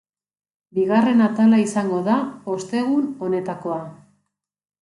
Bigarren atala izango da ostegun honetakoa.